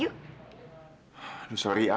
ya aku juga